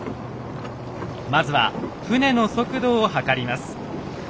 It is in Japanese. まずは船の速度を測ります。